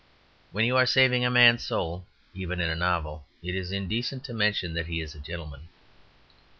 When you are saving a man's soul, even in a novel, it is indecent to mention that he is a gentleman.